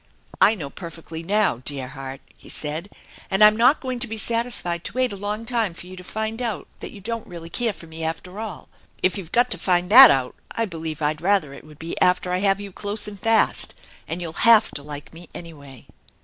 " I know perfectly now, dear heart !" he said, " and I'm not going to be satisfied to wait a long time for you to find out that you don't really care for me after all. If you've got to find that out, I believe I'd rather it would be after I have you close and fast and you'll have to like me anyway."